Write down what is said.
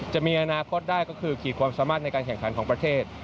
จะมีอนาคตได้ก็คือขีดความสามารถในการแข่งขันของประเทศ